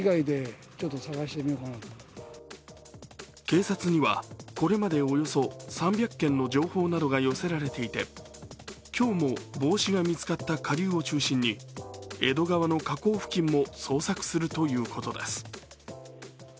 警察にはこれまでおよそ３００件の情報などが寄せられていて今日も帽子が見つかった下流を中心に、江戸川の河口付近も捜索するということです。